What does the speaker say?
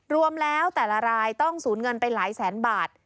รวมแล้วแต่ละรายต้องสูญเงินไปหลายแสนบาท